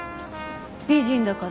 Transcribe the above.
美人だから？